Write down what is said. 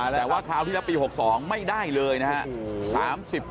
แต่ว่าคราวที่แล้วปี๖๒ไม่ได้เลยนะครับ